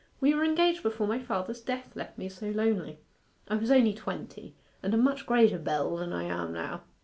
We were engaged before my father's death left me so lonely. I was only twenty, and a much greater belle than I am now.